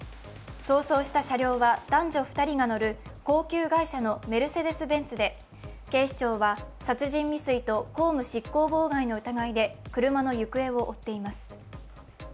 逃走した車両は男女２人が乗る高級外車のメルセデス・ベンツで警視庁は殺人未遂と公務執行妨害の疑いで車の行方を追っています。